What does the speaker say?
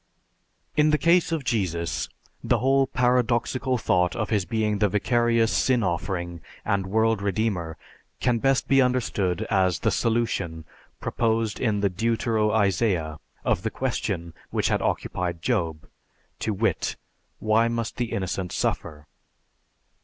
In the case of Jesus, the whole paradoxical thought of his being the vicarious sin offering and world redeemer can best be understood as the solution, proposed in the Deutero Isaiah, of the question which had occupied Job to wit: Why must the innocent suffer?